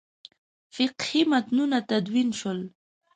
فقهي متنونه تدوین شول.